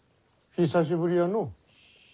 久しぶりやの。